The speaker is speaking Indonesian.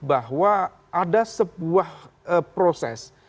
bahwa ada sebuah proses